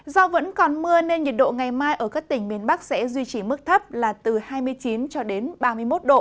do vẫn còn mưa nên nhiệt độ ngày mai ở các tỉnh miền bắc sẽ duy trì mức thấp là từ hai mươi chín cho đến ba mươi một độ